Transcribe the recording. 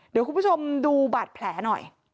เดี๋ยวคุณผู้ชมดูบาดแผลหน่อย